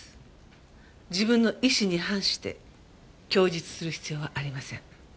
自分の意思に反して供述する必要はありません。